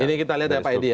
ini kita lihat ya pak edy ya